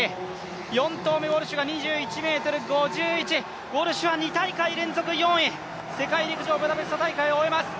４投目、ウォルシュが２２ｍ５１、ウォルシュは２大会連続４位、世界陸上ブダペスト大会を終えます。